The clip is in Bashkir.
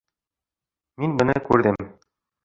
Мин быны күрҙем.